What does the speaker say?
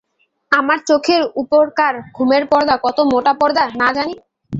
আমার চোখের উপরকার ঘুমের পর্দা কত মোটা পর্দা না জানি!